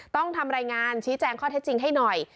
ต้องทำรายงานชี้แจงข้อเท็จจริงให้หน่อย